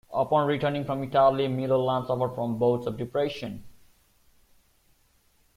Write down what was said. Upon returning from Italy, Milholland suffered from bouts of depression.